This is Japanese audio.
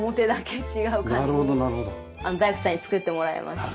大工さんに作ってもらいました。